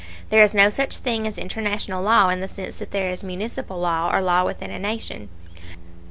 There is no such thing as international law in the sense that there is municipal law or law within a nation.